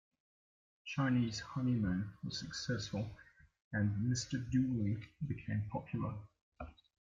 "Chinese Honeymoon" was successful and "Mr. Dooley" became popular.